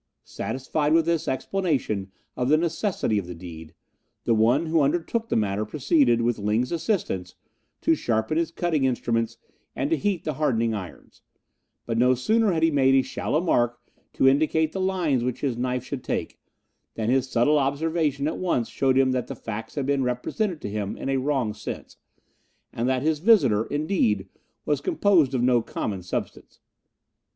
Satisfied with this explanation of the necessity of the deed, the one who undertook the matter proceeded, with Ling's assistance, to sharpen his cutting instruments and to heat the hardening irons; but no sooner had he made a shallow mark to indicate the lines which his knife should take, than his subtle observation at once showed him that the facts had been represented to him in a wrong sense, and that his visitor, indeed, was composed of no common substance.